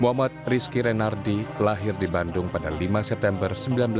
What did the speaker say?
muhammad rizky renardi lahir di bandung pada lima september seribu sembilan ratus enam puluh